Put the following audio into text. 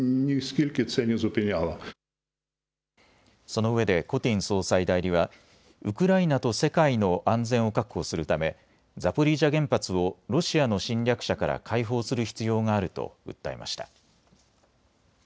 そのうえでコティン総裁代理はウクライナと世界の安全を確保するためザポリージャ原発をロシアの侵略者から解放する必要があると訴えました。